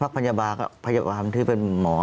พักพันยาบาลก็พันยาบาลที่เป็นหมอ